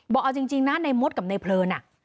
บอกเอาจริงนะในมดกับในเพลิน